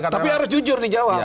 tapi harus jujur dijawab